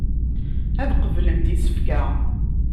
Ad qeblent isefka.